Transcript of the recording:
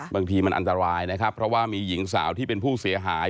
บางทีมันอันตรายนะครับเพราะว่ามีหญิงสาวที่เป็นผู้เสียหาย